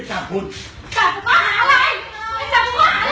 ช่วยด้วยค่ะส่วนสุด